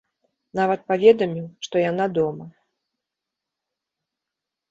Нават паведаміў, што яна дома.